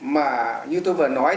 mà như tôi vừa nói